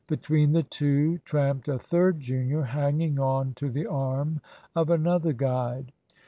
Between the two tramped a third junior, hanging on to the arm of another guide.